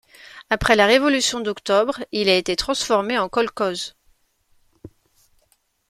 Après la Révolution d'Octobre, il a été transformé en kolkhoze.